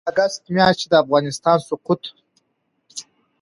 اګسټ میاشتې د افغانستان سقوط